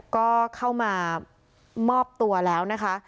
ก็เข้ามามอบตัวแล้วนะคะ